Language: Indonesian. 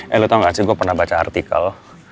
eh lo tau gak sih gue pernah baca artikel